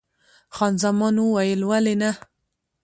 خان زمان وویل: ولې نه؟